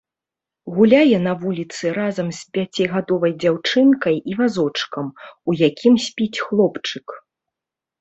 Гуляе на вуліцы разам з пяцігадовай дзяўчынкай і вазочкам, у якім спіць хлопчык.